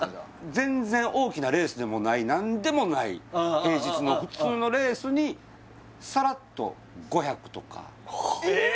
全然大きなレースでもないなんでもない平日の普通のレースにさらっと５００とかえっ！？